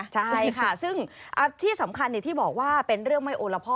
ใช่ค่ะซึ่งที่สำคัญอย่างที่บอกว่าเป็นเรื่องไม่โอละพ่อ